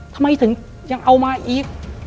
ทำไมถึงยังเอามาอีก